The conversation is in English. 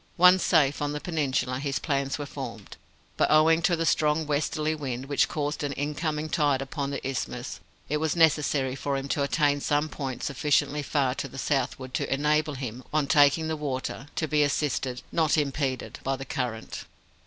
Once safe on the peninsula, his plans were formed. But, owing to the strong westerly wind, which caused an incoming tide upon the isthmus, it was necessary for him to attain some point sufficiently far to the southward to enable him, on taking the water, to be assisted, not impeded, by the current.